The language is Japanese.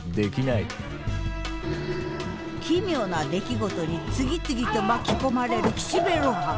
奇妙な出来事に次々と巻き込まれる岸辺露伴。